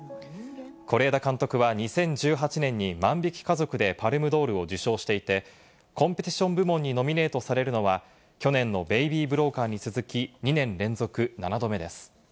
是枝監督は２０１８年に『万引き家族』でパルムドールを受賞していて、コンペティション部門にノミネートされるのは去年の『ベイビー・ブローカー』に続き、２年連続７度目です。